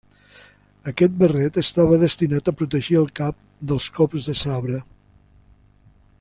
Aquest barret estava destinat a protegir el cap dels cops de sabre.